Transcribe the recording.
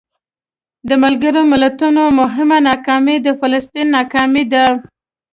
د ملګرو ملتونو مهمه ناکامي د فلسطین ناکامي ده.